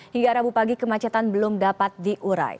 hingga rabu pagi kemacetan belum dapat diurai